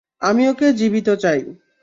আমি ওকে জীবিত চাই।